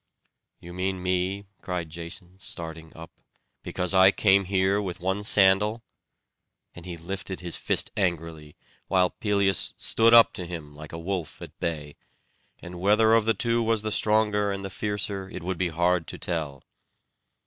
"You mean me?" cried Jason, starting up, "because I came here with one sandal?" And he lifted his fist angrily, while Pelias stood up to him like a wolf at bay; and whether of the two was the stronger and the fiercer, it would be hard to tell.